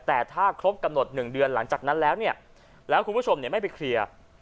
แต่ถ้าครบกำหนด๑เดือนหลังจากนั้นแล้วเนี่ยแล้วคุณผู้ชมไม่ไปเคลียร์